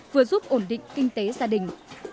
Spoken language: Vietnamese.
vừa giúp ổn định kinh tế gia đình